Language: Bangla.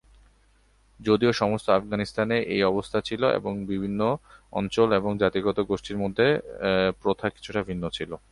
যদিও সমস্ত আফগানিস্তানে এই অবস্থা ছিল, বিভিন্ন অঞ্চল এবং জাতিগত গোষ্ঠীর মধ্যে প্রথা কিছুটা ভিন্ন ছিল।